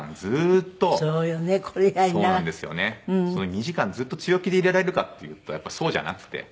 ２時間ずっと強気でいられるかっていうとやっぱりそうじゃなくて。